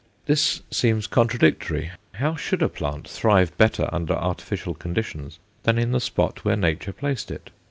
This seems contradictory. How should a plant thrive better under artificial conditions than in the spot where Nature placed it?